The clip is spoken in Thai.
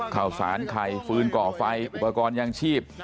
ข่าวสารไข่ฟืนก่อไฟอุปกรณ์ยางชีพ